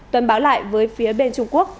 tuấn báo lại với phía bên trung quốc